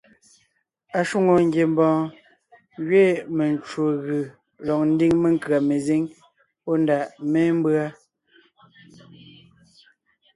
Ashwòŋo ngiembɔɔn gẅiin mencwò gʉ̀ lɔg ńdiŋ menkʉ̀a mezíŋ pɔ́ ndàʼ mémbʉa.